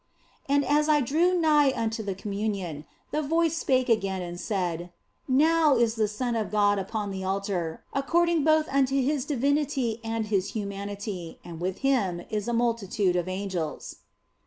And as I drew nigh unto the Communion, the voice spake again and said, " Now is the Son of God upon the altar, according both unto His divinity and His humanity, and with Him is a multitude of angels."